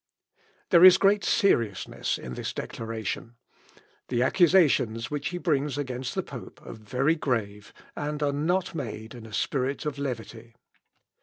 There is great seriousness in this declaration. The accusations which he brings against the pope are very grave, and are not made in a spirit of levity.